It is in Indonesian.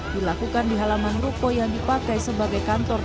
dilakukan di halaman ruko yang dipakai sebagai kantor